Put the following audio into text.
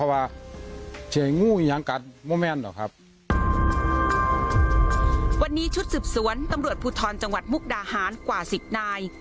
วันนี้ชุดสืบสวนตำรวจภูทรจังหวัดมุกดาหารกว่า๑๐นาย